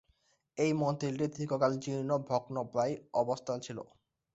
এই মন্দিরটি দীর্ঘকাল জীর্ণ, ভগ্নপ্রায় অবস্থায় ছিল।